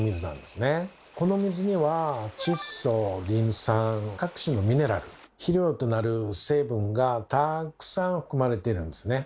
この水には窒素リン酸各種のミネラル肥料となる成分がたくさん含まれているんですね。